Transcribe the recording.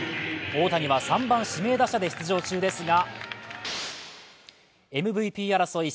大谷は３番・指名打者で出場中ですがＭＶＰ争い